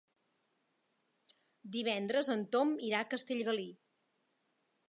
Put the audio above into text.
Divendres en Tom irà a Castellgalí.